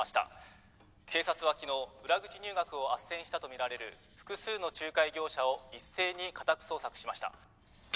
「警察は昨日裏口入学を斡旋したと見られる複数の仲介業者を一斉に家宅捜索しました」